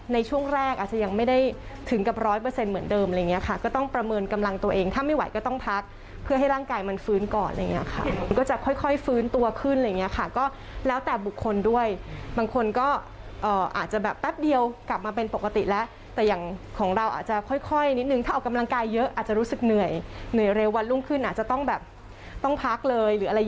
ในช่วงแรกอาจจะยังไม่ได้ถึงกับร้อยเปอร์เซ็นต์เหมือนเดิมอะไรอย่างเงี้ยค่ะก็ต้องประเมินกำลังตัวเองถ้าไม่ไหวก็ต้องพักเพื่อให้ร่างกายมันฟื้นก่อนอะไรอย่างเงี้ยค่ะก็จะค่อยฟื้นตัวขึ้นอะไรอย่างเงี้ยค่ะก็แล้วแต่บุคคลด้วยบางคนก็อาจจะแบบแป๊บเดียวกลับมาเป็นปกติแล้วแต่อย่างของเราอาจจะค่อย